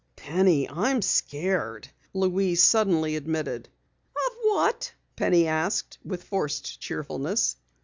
"Penny, I'm scared," Louise suddenly admitted. "Of what?" Penny asked with forced cheerfulness.